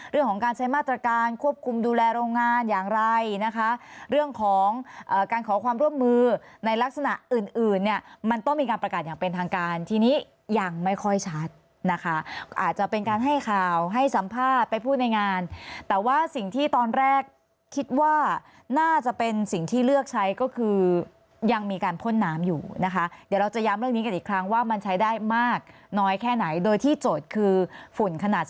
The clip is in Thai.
เรื่องของการใช้มาตรการควบคุมดูแลโรงงานอย่างไรนะคะเรื่องของการขอความร่วมมือในลักษณะอื่นเนี่ยมันต้องมีการประกาศอย่างเป็นทางการทีนี้ยังไม่ค่อยชัดนะคะอาจจะเป็นการให้ข่าวให้สัมภาษณ์ไปพูดในงานแต่ว่าสิ่งที่ตอนแรกคิดว่าน่าจะเป็นสิ่งที่เลือกใช้ก็คือยังมีการพ่นน้ำอยู่นะคะเดี๋ยวเราจะย้ำเรื่องนี้